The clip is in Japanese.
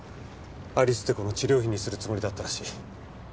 アリスって子の治療費にするつもりだったらしい。